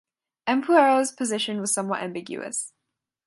Ampuero’s position was somewhat ambiguous.